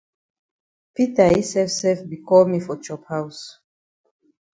Peter yi sef sef be call me for chop haus.